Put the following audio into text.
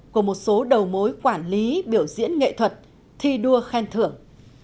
của một số đầu mối quản lý biểu diễn nghệ thuật thi đua khen thưởng